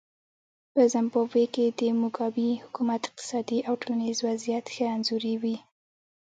په زیمبابوې کې د موګابي حکومت اقتصادي او ټولنیز وضعیت ښه انځوروي.